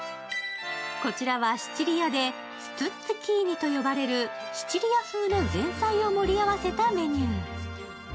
こちらはシチリアでストゥッツィキーニと呼ばれるシチリア風の前菜を盛り合わせたメニュー。